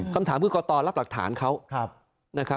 คำถามคือกรตรรับหลักฐานเขา